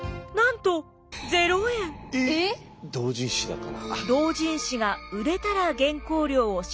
同人誌だから。